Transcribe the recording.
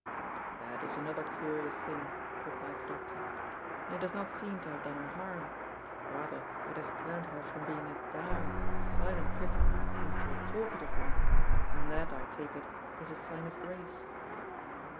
"That is another curious thing," replied the doctor. "It does not seem to have done her harm; rather it has turned her from being a dour, silent crittur into a talkative one, and that, I take it, is a sign of grace."